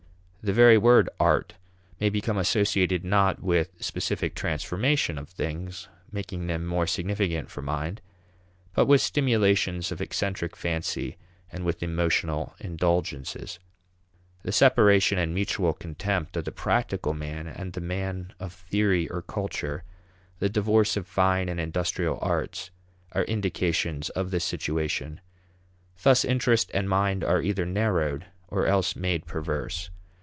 The very word art may become associated not with specific transformation of things, making them more significant for mind, but with stimulations of eccentric fancy and with emotional indulgences. The separation and mutual contempt of the "practical" man and the man of theory or culture, the divorce of fine and industrial arts, are indications of this situation. Thus interest and mind are either narrowed, or else made perverse.